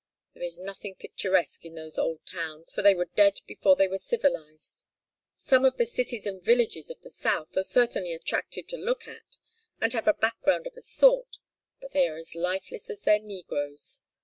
There is nothing picturesque in those old towns, for they were dead before they were civilized. Some of the cities and villages of the South are certainly attractive to look at and have a background of a sort, but they are as lifeless as their negroes.